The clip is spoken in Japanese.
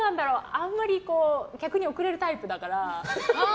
あんまり逆に遅れるタイプだから。